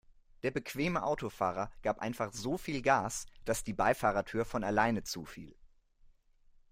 Der bequeme Autofahrer gab einfach so viel Gas, dass die Beifahrertür von alleine zufiel.